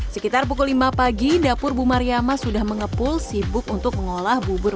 sekitar pukul lima pagi dapurmu maria sudahngepul si buk untuk mengolah bubur